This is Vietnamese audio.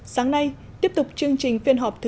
sáng nay tiếp tục chương trình phiên họp thứ ba mươi bốn